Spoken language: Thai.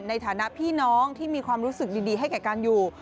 ในฐานะพี่น้องที่มีความรู้สึกดีให้แก่กันอยู่